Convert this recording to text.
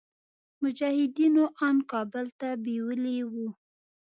مجاهدينو ان کابل ته بيولي وو.